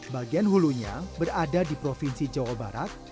bagian hulunya berada di provinsi jawa barat